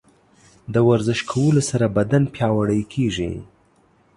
د ورزش کولو سره بدن پیاوړی کیږي.